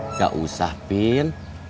nggak usah pin